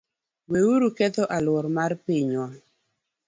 Weuru ketho alwora mar pinywa.